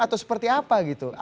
atau seperti apa gitu